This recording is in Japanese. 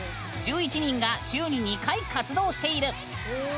１１人が週に２回活動している。